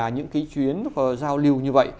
những chuyến giao lưu như vậy